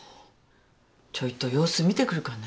ちょいと様子見てくるかね。